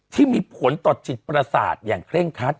ที่มีผลต่อจิตประสาทอย่างเคร่งคัด